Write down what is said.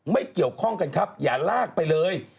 ไม่เกี่ยวข้องกันครับอย่าลากไปเลย